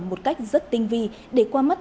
một cách rất tinh vi để qua mất